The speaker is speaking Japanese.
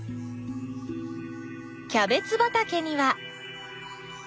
キャベツ畑には。